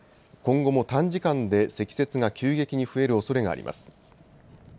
今後も短時間で積雪が急激に増えるおそれがあります。